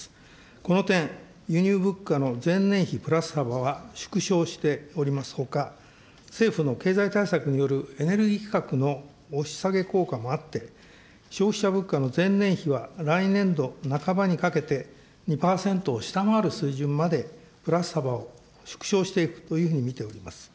この点、輸入物価の前年比プラス幅は縮小しておりますほか、政府の経済対策によるエネルギー価格の押し下げ効果もあって、消費者物価の前年比は来年度半ばにかけて２％を下回る水準までプラス幅を縮小していくというふうに見ております。